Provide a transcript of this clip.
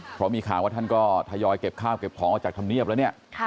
เพราะมีข่าวว่าท่านก็ทยอยเก็บข้าวเก็บของออกจากธรรมเนียบแล้วเนี่ย